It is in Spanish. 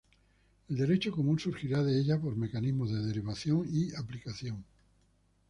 El derecho común surgirá de ella por mecanismos de derivación y aplicación.